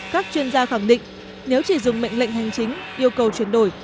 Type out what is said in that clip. các chuyên gia khẳng định nếu chỉ dùng mệnh lệnh hành chính yêu cầu chuyển đổi